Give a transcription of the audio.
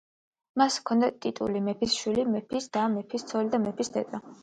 მას ჰქონდა ტიტული: „მეფის შვილი, მეფის და, მეფის ცოლი და მეფის დედა“.